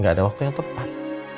gak ada waktu yang tepat